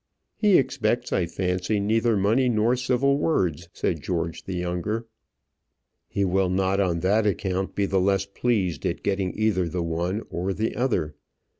"He expects, I fancy, neither money nor civil words," said George the younger. "He will not, on that account, be the less pleased at getting either the one or the other.